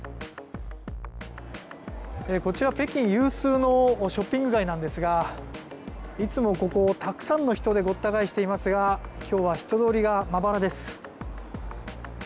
こちら北京有数のショッピング街ですがいつもここ、たくさんの人でごった返していますが今日は人通りがまばらです。